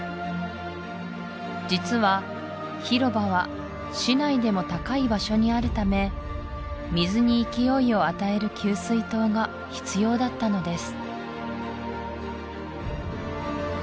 実は広場は市内でも高い場所にあるため水に勢いを与える給水塔が必要だったのです